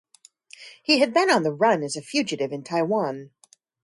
He had been on the run as a fugitive in Taiwan.